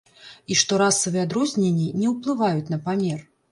І што расавыя адрозненні не ўплываюць на памер.